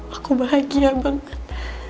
aku bahagia banget